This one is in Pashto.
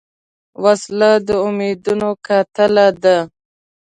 وسله د امیدونو قاتله ده